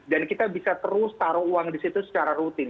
dan kita bisa terus taruh uang di situ secara rutin